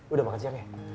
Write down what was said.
udah makan siang ya